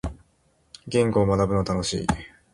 言語を学ぶのは楽しい。